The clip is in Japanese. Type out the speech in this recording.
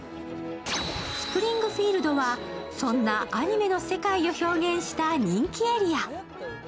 スプリングフィールドはそんなアニメの世界を表現した人気エリア。